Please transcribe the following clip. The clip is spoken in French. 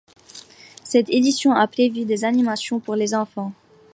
Cette édition a prévu des animations pour les enfants.